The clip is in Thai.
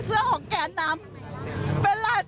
แต่เราเลิกกับภาคเพื่อไทยมา